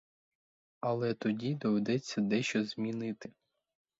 Але тоді доведеться дещо змінити.